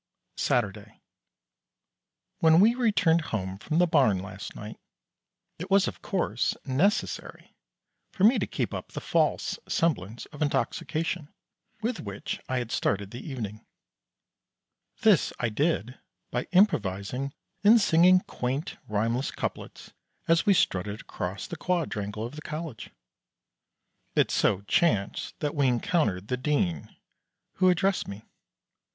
Saturday. When we returned home from the barn last night, it was of course necessary for me to keep up the false semblance of intoxication with which I had started the evening. This I did by improvising and singing quaint rhymeless couplets as we strutted across the Quadrangle of the College. It so chanced that we encountered the Dean, who addressed me.